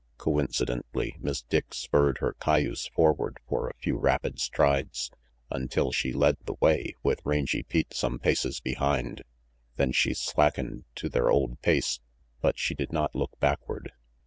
Coincidently Miss Dick spurred her cayuse forward for a few rapid strides, until she led the way, with Rangy Pete some paces behind, then she slackened to their old pace, but she did not look backward.